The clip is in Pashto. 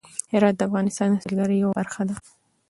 هرات د افغانستان د سیلګرۍ یوه برخه ده.